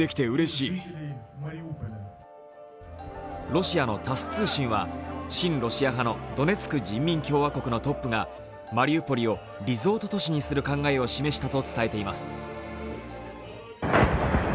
ロシアのタス通信は親ロシア派のドネツク人民共和国のトップがマリウポリをリゾート都市にする考えを示したと伝えています。